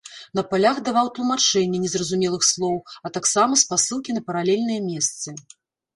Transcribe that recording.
На палях даваў тлумачэнне незразумелых слоў, а таксама спасылкі на паралельныя месцы.